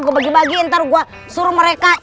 gua bagi bagi ntar gua suruh mereka